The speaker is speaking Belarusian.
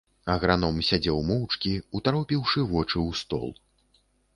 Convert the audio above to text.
Аграном сядзеў моўчкі, утаропіўшы вочы ў стол.